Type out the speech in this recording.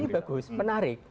ini bagus menarik